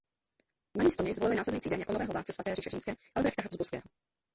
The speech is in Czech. Namísto něj zvolili následující den jako nového vládce Svaté říše římské Albrechta Habsburského.